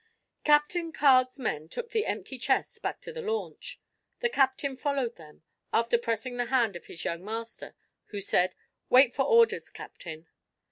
Captain Carg's men took the empty chest back to the launch. The captain followed them, after pressing the hand of his young master, who said: "Wait for orders, Captain."